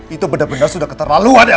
itu benar benar sudah keterlaluan ya